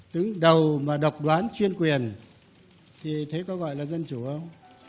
đứng đầu mà độc đoán chuyên quyền thì thấy có gọi là dân chủ không